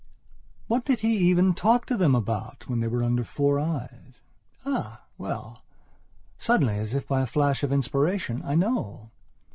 What did he even talk to them aboutwhen they were under four eyes? Ah, well, suddenly, as if by a flash of inspiration, I know.